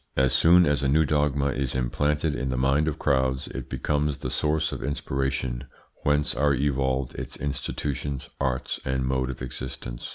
As soon as a new dogma is implanted in the mind of crowds it becomes the source of inspiration whence are evolved its institutions, arts, and mode of existence.